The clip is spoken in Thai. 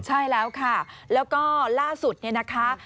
ใช่แล้วค่ะแล้วก็ล่าสุดเนี่ยนะคะ